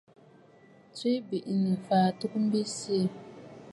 Tswe biʼinə̀ fàa ɨtugə mbi siì.